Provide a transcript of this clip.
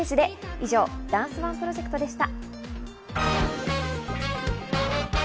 以上、ダンスＯＮＥプロジェクトでした。